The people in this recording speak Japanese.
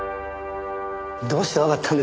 どうしてわかったんです？